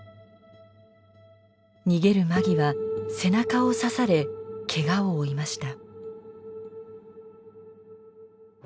逃げる間際背中を刺されけがを負いました。